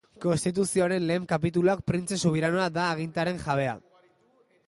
Konstituzioaren lehen kapituluak Printze subiranoa da agintearen jabea.